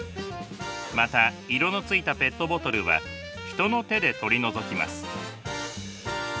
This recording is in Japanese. また色のついたペットボトルは人の手で取り除きます。